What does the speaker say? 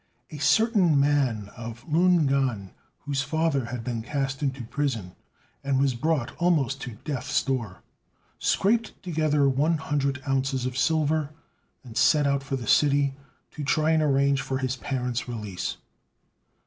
A certain man of Lu ngan, whose father had been cast into prison, and was brought almost to death's door, scraped together one hundred ounces of silver, and set out for the city to try and arrange for his parent's release.